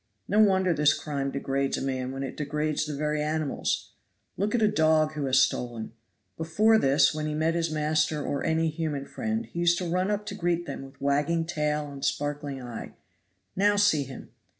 No wonder this crime degrades a man when it degrades the very animals; Look at a dog who has stolen. Before this, when he met his master or any human friend he used to run up to greet them with wagging tail and sparkling eye. Now see him.